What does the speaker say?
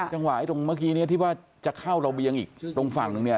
จังหวะที่ตรงเมื่อกี้นี่ที่ว่าจะเข้าระเบียงอีกตรงฝั่งนึง